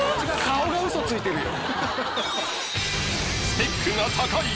顔が嘘ついてるよ。